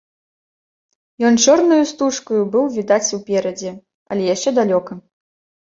Ён чорнаю стужкаю быў відаць уперадзе, але яшчэ далёка.